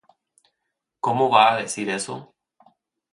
¿cómo va a decir eso?